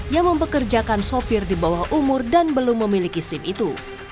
yang mempekerjakan sopir di bawah umur dan belum memiliki sim itu